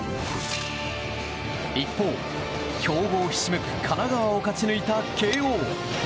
一方、強豪ひしめく神奈川を勝ち抜いた慶應。